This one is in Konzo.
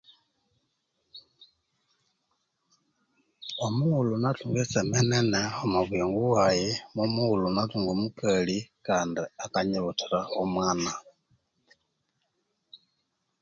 Omughulhu nathunga etseme nene omubuyingo bwaghe mwomughulhu nathunga omukali kandi akanyibuthira omwanaa